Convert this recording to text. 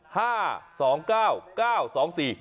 ห้าสองเก้าเก้าสองสี่